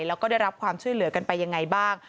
แล้วก็ได้รับความช่วยเหลือกันไปยังไงบ้าง